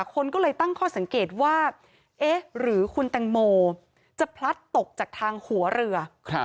คนก็เลยตั้งข้อสังเกตว่าเอ๊ะหรือคุณแตงโมจะพลัดตกจากทางหัวเรือ